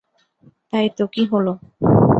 তাই তো, কী হল!